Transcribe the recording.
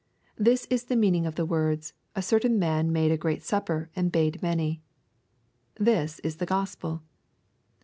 This is the meaning of the words, '^ a certain man made a great supper, and bade many." This is the Gospel.